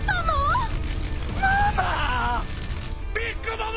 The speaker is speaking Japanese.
ママ！